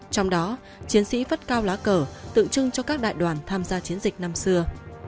trong đó chiến sĩ phất cao lá cờ tự trưng cho các đại đoàn tham gia chiến dịch năm xưa